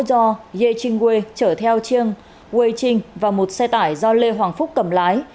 do ye ching wei chở theo chiang wei ching và một xe tải do lê hoàng phúc cầm lái